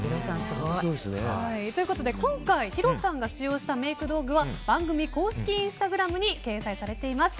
今回、ヒロさんが使用したメイク道具は番組公式インスタグラムに掲載されています。